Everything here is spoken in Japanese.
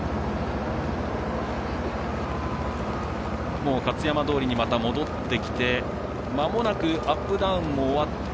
もう勝山通に戻ってきてまもなくアップダウンも終わって